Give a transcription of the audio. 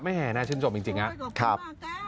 แม่แห่น่าชินสมจริงนะครับโอ้โหขอบคุณมากครับ